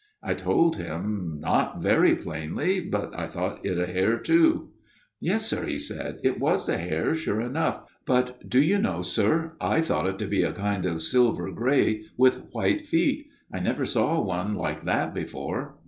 " I told him, not very plainly ; but I thought it a hare too. "' Yes, sir/ he said, ' it was a hare, sure enough ; but, do you know, sir, I thought it to be a kind of silver grey with white feet. I never saw one like that before